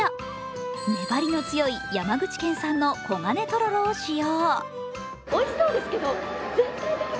粘りの強い山口県産の黄金とろろを使用。